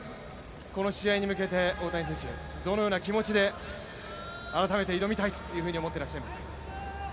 この試合に向けて、大谷選手、どのような気持ちで改めて挑みたいと思っていらっしゃいますか？